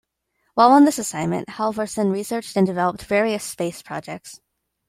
While on this assignment, Halvorsen researched and developed various space projects.